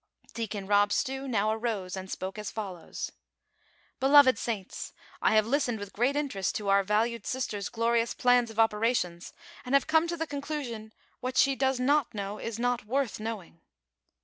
Deacon Rob Stew now arose and spoke as follows :" Beloved saints, I have listened with great interest to our valued sister's glorious plans of operations, and have come to the conclusion, what she does not know is not worth knowing.